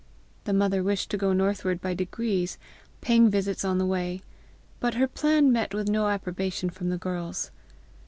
The mother wished to go northward by degrees, paying visits on the way; but her plan met with no approbation from the girls.